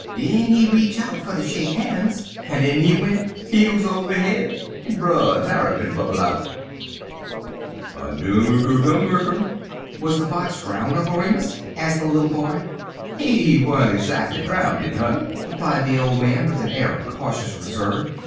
Den he retch out fer ter shake han's, en in he went, heels over head, en Brer Tarrypin bubble out: "'I doom er ker kum mer ker!"' "Was the Fox drowned, Uncle Remus?" asked the little boy. "He weren't zackly drowndid, honey," replied the old man, With an air of cautious reserve.